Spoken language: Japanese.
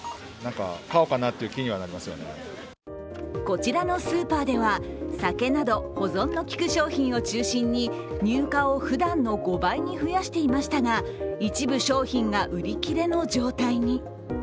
こちらのスーパーでは酒など保存のきく商品を中心に入荷をふだんの５倍に増やしていましたが一部商品が売り切れの状態に。